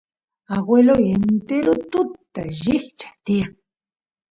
agueloy entero tutata llikchas tiyan